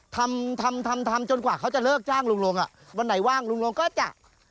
ทำทำทำทำทำจนกว่าเขาจะเลิกจ้างลุงลงอ่ะวันไหนว่างลุงลงก็จะ